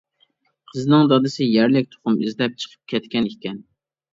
قىزنىڭ دادىسى يەرلىك تۇخۇم ئىزدەپ چىقىپ كەتكەن ئىكەن.